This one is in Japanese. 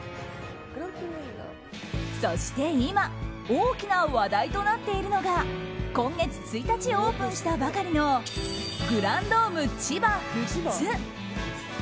そして今大きな話題となっているのが今月１日オープンしたばかりのグランドーム千葉富津。